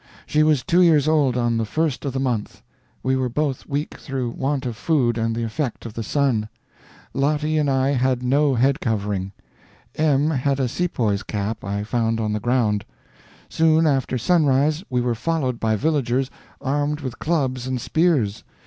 She was two years old on the first of the month. We were both weak through want of food and the effect of the sun. Lottie and I had no head covering. M had a sepoy's cap I found on the ground. Soon after sunrise we were followed by villagers armed with clubs and spears.